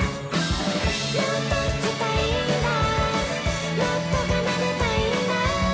「もっと弾きたいんだもっと奏でたいんだ」